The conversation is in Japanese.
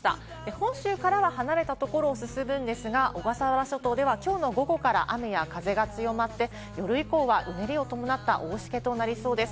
本州からは離れたところを進むんですが、小笠原諸島ではきょうの午後から雨や風が強まって、夜以降は、うねりを伴った大しけとなりそうです。